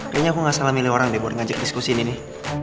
kayaknya aku gak salah milih orang deh buat ngajak diskusi ini nih